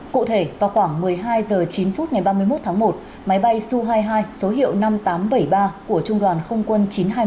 cụ thể vào khoảng một mươi hai h chín ngày ba mươi một tháng một máy bay su hai mươi hai số hiệu năm nghìn tám trăm bảy mươi ba của trung đoàn không quân chín trăm hai mươi hai